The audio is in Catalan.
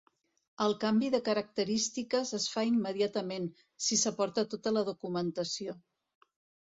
El canvi de característiques es fa immediatament, si s'aporta tota la documentació.